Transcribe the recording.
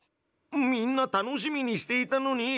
みんな楽しみにしていたのに。